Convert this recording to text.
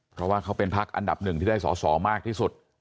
เพราะว่าเขาเป็นพักอันดับหนึ่งที่ได้สอสอมากที่สุด